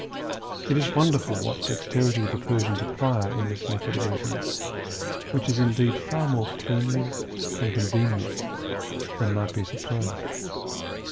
It is wonderful what dexterity the Persians acquire in this method of eating, which is indeed far more cleanly and con venient than might be supposed.